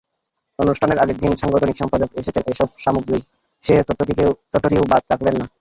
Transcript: অনুষ্ঠানের আগের দিন সাংগঠনিক সম্পাদক এনেছেন এসব সামগ্রী-সে তথ্যটিও বাদ রাখলেন না।